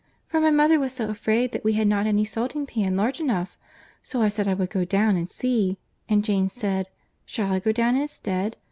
—for my mother was so afraid that we had not any salting pan large enough. So I said I would go down and see, and Jane said, 'Shall I go down instead?